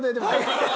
ハハハハ！